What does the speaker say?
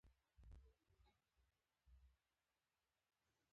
هېواد ته مینهناک نسل پکار دی